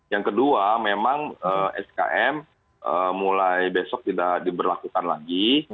yang kedua memang skm mulai besok tidak diberlakukan lagi